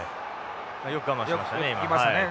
よく我慢しましたね。